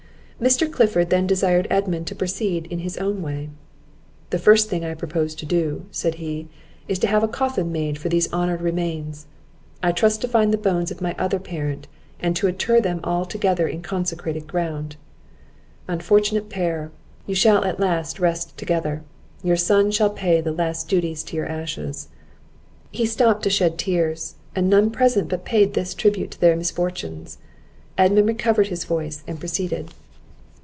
Mr. Clifford then desired Edmund to proceed in his own way. "The first thing I propose to do," said he, "is to have a coffin made for these honoured remains. I trust to find the bones of my other parent, and to inter them all together in consecrated ground. Unfortunate pair! you shall at last rest together! your son shall pay the last duties to your ashes!" He stopped to shed tears, and none present but paid this tribute to their misfortunes. Edmund recovered his voice and proceeded.